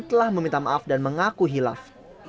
telah meminta maaf dan mengaku hilaf